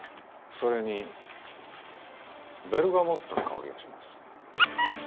それにベルガモットの香りがします